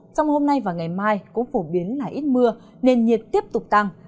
trong hôm nay và ngày mai cũng phổ biến là ít mưa nền nhiệt tiếp tục tăng